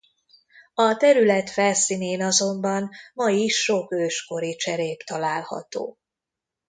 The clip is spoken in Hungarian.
A terület felszínén azonban ma is sok őskori cserép található.